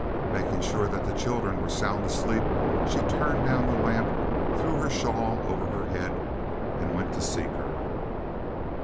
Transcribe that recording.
Making sure that the children were sound asleep, she turned down the lamp, threw her shawl over her head, and went to seek her.